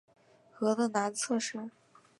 河的南侧是。